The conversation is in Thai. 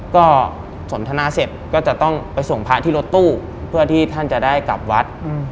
ก็สนทนาเสร็จก็จะต้องไปส่งพระที่รถตู้เพื่อที่ท่านจะได้กลับวัด